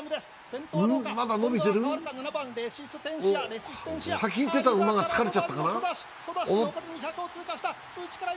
先に行ってた馬が疲れちゃったかな。